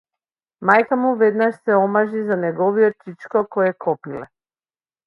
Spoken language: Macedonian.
Мајка му веднаш се омажи за неговиот чичко, кој е копиле.